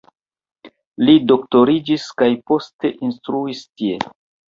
Li doktoriĝis kaj poste instruis tie.